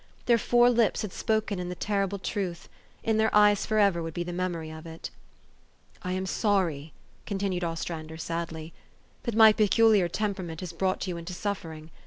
Their four lips had spoken the terrible truth : in their e} T es forever would be the memory of it. " I am sorry," continued Ostrander sadly, " that my peculiar temperament has brought you into suf fering.